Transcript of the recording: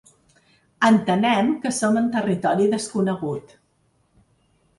Entenem que som en territori desconegut.